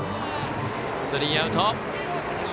スリーアウト。